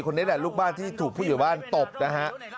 นี่แหละลูกบ้านที่ถูกผู้ใหญ่บ้านตบนะฮะ